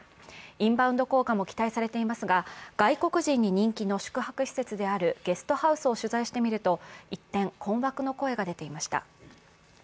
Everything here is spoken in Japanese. インバウンド効果も期待されていますが、外国人に人気の宿泊施設であるゲストハウスを取材してみると一転、困惑の声が出ていました。